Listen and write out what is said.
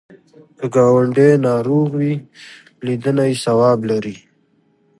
که ګاونډی ناروغ وي، لیدنه یې ثواب لري